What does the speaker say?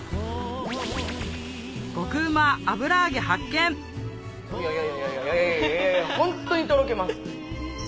ごくうま油揚げ発見いやいやいやホントにとろけます。